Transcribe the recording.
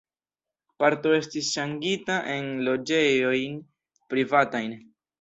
Parto estis ŝanĝita en loĝejojn privatajn.